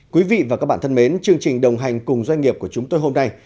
quý vị và các bạn thân mến chương trình đồng hành cùng doanh nghiệp của chúng tôi hôm nay